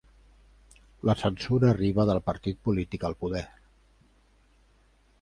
La censura arriba del partit polític al poder